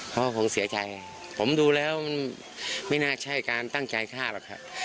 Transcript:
เขาคงเสียใจผมดูแล้วมันไม่น่าใช่การตั้งใจฆ่าหรอกครับ